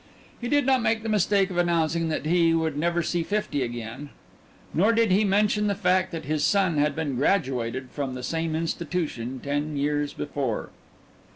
He did not make the mistake of announcing that he would never see fifty again, nor did he mention the fact that his son had been graduated from the same institution ten years before.